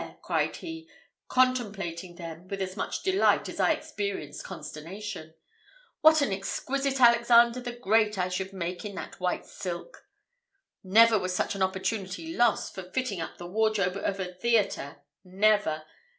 cried he, contemplating them with as much delight as I experienced consternation. "What an exquisite Alexander the Great I should make in that white silk! Never was such an opportunity lost, for fitting up the wardrobe of a theatre never!